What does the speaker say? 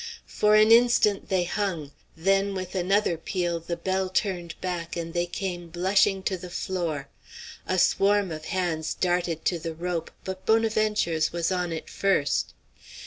For an instant they hung; then with another peal the bell turned back and they came blushing to the floor. A swarm of hands darted to the rope, but Bonaventure's was on it first.